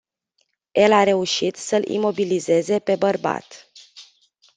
El a reușit să-l imobilizeze pe bărbat.